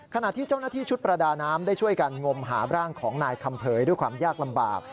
ขณะที่เจ้าหน้าที่ชุดประดาน้ำได้ช่วยกันงมหาร่างของนายคำเผยด้วยความยากลำบาก